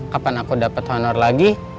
kapan aku dapat honor lagi